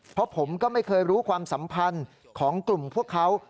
เพราะผมก็ไม่เคยรู้ความสัมพันธ์ของกลุ่มพวกเขา